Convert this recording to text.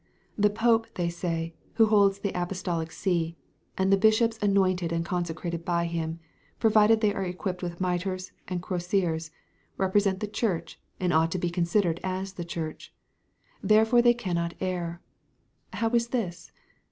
The Pope, they say, who holds the Apostolic see, and the bishops anointed and consecrated by him, provided they are equipped with mitres and crosiers, represent the Church, and ought to be considered as the Church. Therefore they cannot err. How is this?